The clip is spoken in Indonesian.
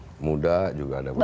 kalau yang muda juga ada beberapa